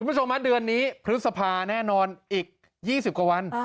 คุณผู้ชมเดือนนี้พฤษภาแน่นอนอีก๒๐กว่าวัน